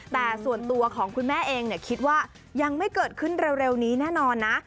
แต่ส่วนตัวของคุณแม่เองคิดว่ายังไม่เกิดขึ้นเร็วนี้แน่นอนนะ